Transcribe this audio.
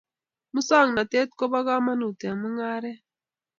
Musong'natet ko ba kamanut eng' mung'aret